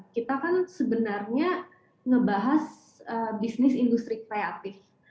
kita kan sebenarnya ngebahas bisnis industri kreatif